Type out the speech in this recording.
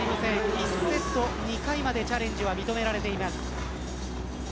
１セット２回までチャレンジが認められています。